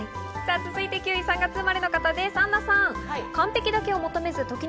続いて９位、３月生まれの方です、アンナさん。